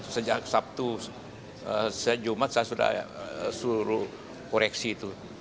sejak sabtu sejumat saya sudah suruh koreksi itu